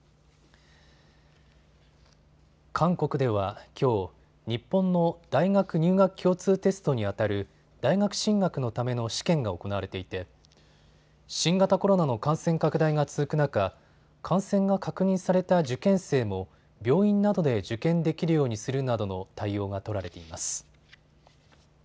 韓国ではきょう、日本の大学入学共通テストにあたる大学進学のための試験が行われていて新型コロナの感染拡大が続く中、感染が確認された受験生も病院などで受験できるようにするなどの対応が取られています。